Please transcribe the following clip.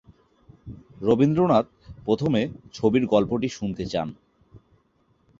রবীন্দ্রনাথ প্রথমে ছবির গল্পটি শুনতে চান।